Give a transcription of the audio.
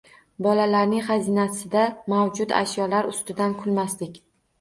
Bolalarning xazinasida mavjud ashyolar ustidan kulmaslik.